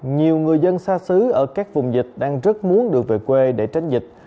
nhiều người dân xa xứ ở các vùng dịch đang rất muốn được về quê để tránh dịch